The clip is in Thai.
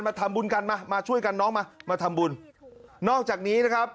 ทำบุญกันมามาช่วยกันน้องมามาทำบุญนอกจากนี้นะครับ